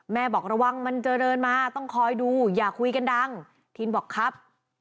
บอกระวังมันเจริญมาต้องคอยดูอย่าคุยกันดังทีนบอกครับ